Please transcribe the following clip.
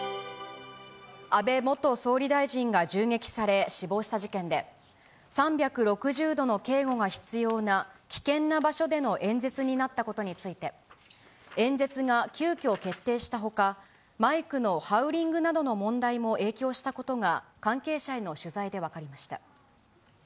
安倍元総理大臣が銃撃され死亡した事件で、３６０度の警護が必要な危険な場所での演説になったことについて、演説が急きょ決定したほか、マイクのハウリングなどの問題も影響したことが、関係者への取材で分かりました。